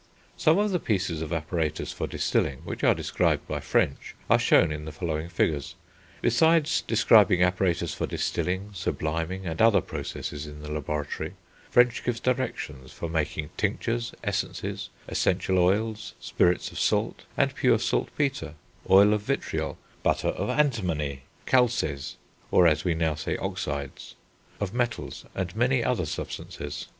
Some of the pieces of apparatus for distilling, which are described by French, are shown in the following figures. Besides describing apparatus for distilling, subliming, and other processes in the laboratory, French gives directions for making tinctures, essences, essential oils, spirits of salt, and pure saltpetre, oil of vitriol, butter of antimony, calces (or as we now say, oxides) of metals, and many other substances.